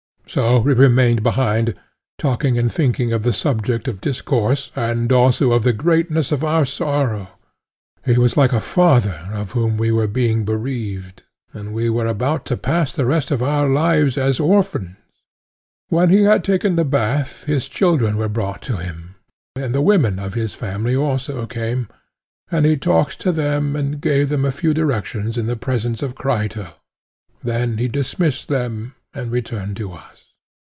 So we remained behind, talking and thinking of the subject of discourse, and also of the greatness of our sorrow; he was like a father of whom we were being bereaved, and we were about to pass the rest of our lives as orphans. When he had taken the bath his children were brought to him—(he had two young sons and an elder one); and the women of his family also came, and he talked to them and gave them a few directions in the presence of Crito; then he dismissed them and returned to us.